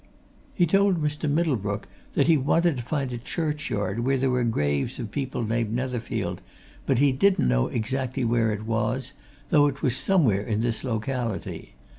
"He told Mr. Middlebrook that he wanted to find a churchyard where there were graves of people named Netherfield, but he didn't know exactly where it was, though it was somewhere in this locality.